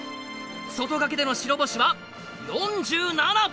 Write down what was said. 外掛けでの白星は４７。